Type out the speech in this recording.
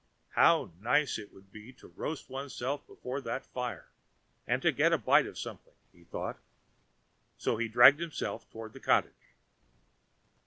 How nice it would be to roast one's self before that fire, and to get a bite of something, he thought; and so he dragged himself toward the cottage.